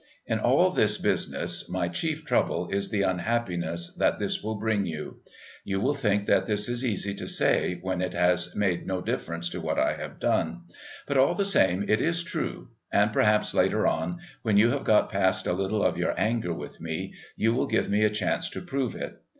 In all this business my chief trouble is the unhappiness that this will bring you. You will think that this is easy to say when it has made no difference to what I have done. But all the same it is true, and perhaps later on, when you have got past a little of your anger with me, you will give me a chance to prove it.